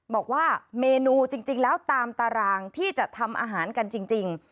บอกว่าเมนูจริงแล้วตามตารางที่จะทำอาหารกันจริง